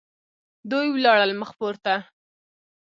دوی ولاړل مخ پورته.